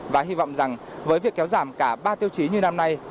và hy vọng rằng với việc kéo giảm cả ba tiêu chí như năm nay